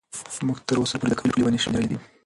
موږ تر اوسه پورې د کلي ټولې ونې شمېرلي دي.